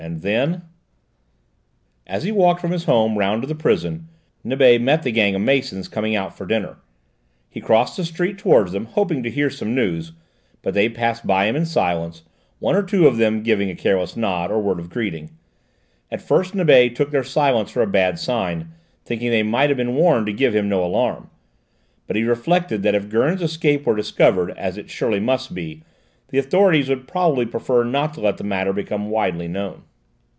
And then As he walked from his home round to the prison, Nibet met the gang of masons coming out for dinner; he crossed the street towards them, hoping to hear some news, but they passed by him in silence, one or two of them giving a careless nod or word of greeting; at first Nibet took their silence for a bad sign, thinking they might have been warned to give him no alarm, but he reflected that if Gurn's escape were discovered, as it surely must be, the authorities would probably prefer not to let the matter become widely known.